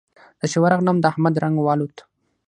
زه چې ورغلم؛ د احمد رنګ والوت.